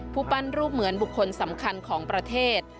ปั้นรูปเหมือนบุคคลสำคัญของประเทศ